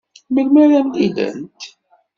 Melmi ara mlilent?